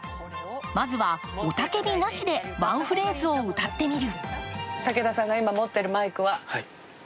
まずはオタケビなしでワンフレーズを歌ってみる。